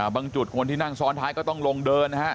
จุดคนที่นั่งซ้อนท้ายก็ต้องลงเดินนะฮะ